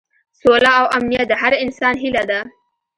سوله او امنیت د هر انسان هیله ده.